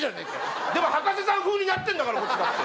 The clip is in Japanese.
でも葉加瀬さん風になってんだからこっちだって。